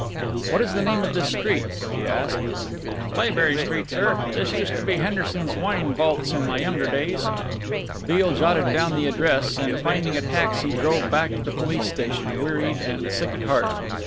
"What is the name of this street?" he asked. "Playbury Street, sir this used to be Henderson's Wine Vaults in my younger days." Beale jotted down the address and finding a taxi drove back to the police station, wearied and sick at heart.